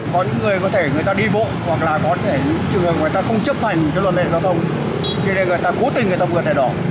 có những người có thể người ta đi bộ hoặc là có thể người ta không chấp hành luật đèn giao thông